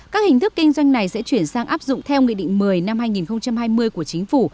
các hình thức kinh doanh này sẽ chuyển sang áp dụng theo nghị định một mươi năm hai nghìn hai mươi của chính phủ